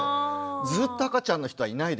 ずっと赤ちゃんの人はいないですから。